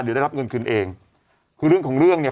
เดี๋ยวได้รับเงินคืนเองคือเรื่องของเรื่องเนี่ย